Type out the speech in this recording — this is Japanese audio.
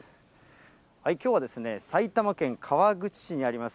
きょうは埼玉県川口市にあります